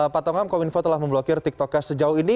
pak tongam kominfo telah memblokir tiktok cash sejauh ini